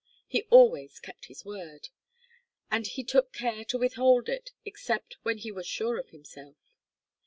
He always kept his word; and he took care to withhold it except when he was sure of himself.